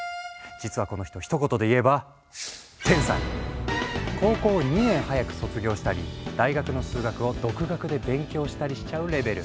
実はこの人ひと言でいえば高校を２年早く卒業したり大学の数学を独学で勉強したりしちゃうレベル。